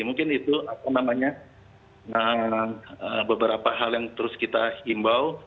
mungkin itu apa namanya beberapa hal yang terus kita himbau